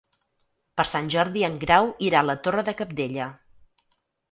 Per Sant Jordi en Grau irà a la Torre de Cabdella.